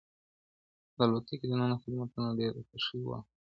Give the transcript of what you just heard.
د الوتکې دننه خدمتونه ډېر د خوښۍ وړ وو.